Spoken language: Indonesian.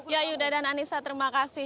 ya yuda dan anissa terima kasih